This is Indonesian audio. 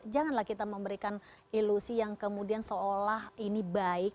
janganlah kita memberikan ilusi yang kemudian seolah ini baik